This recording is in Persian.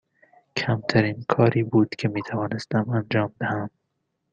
کمترین کاری بود که می توانستم انجام دهم.